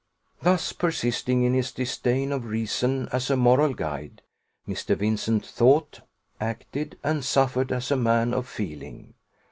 Thus persisting in his disdain of reason as a moral guide, Mr. Vincent thought, acted, and suffered as a man of feeling.